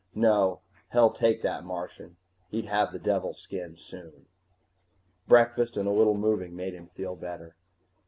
No, hell take that Martian, he'd have the devil's skin soon! Breakfast and a little moving made him feel better.